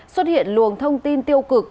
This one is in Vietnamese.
xuất hiện luồng thông tin tiêu cực